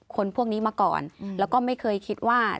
คนพวกนี้มาก่อนแล้วก็ไม่เคยคิดว่า